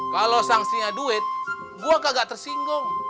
kalau sanksinya duit gue kagak tersinggung